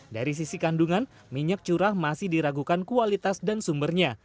dari sisi kandungan minyak curah masih diragukan kualitas dan sumbernya